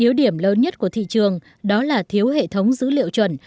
yếu điểm lớn nhất của thị trường đó là thiếu hệ thống dữ liệu chuẩn